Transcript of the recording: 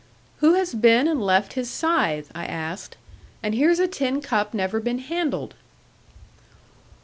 'Who has been and left his scythe?' I asked; 'and here's a tin cup never been handled!'